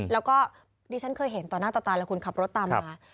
แล้วก็ดิฉันเคยเห็นต่อหน้าต่อตาแล้วคุณขับรถตามมา